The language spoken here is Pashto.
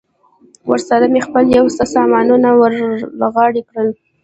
ورسره مې خپل یو څه سامانونه ور له غاړې کړل.